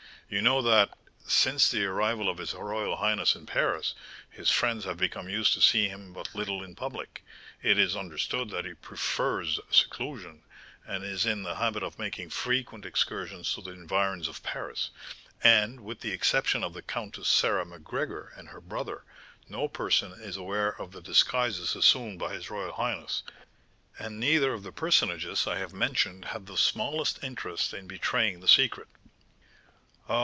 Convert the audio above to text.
You know that, since the arrival of his royal highness in Paris, his friends have become used to see him but little in public; it is understood that he prefers seclusion, and is in the habit of making frequent excursions to the environs of Paris, and, with the exception of the Countess Sarah Macgregor and her brother, no person is aware of the disguises assumed by his royal highness; and neither of the personages I have mentioned have the smallest interest in betraying the secret." "Ah!